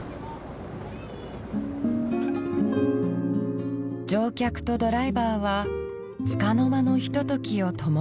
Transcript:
乗客とドライバーはつかの間のひとときを共にする。